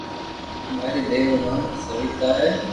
ماري ٻئير رو نوم سويتا ھو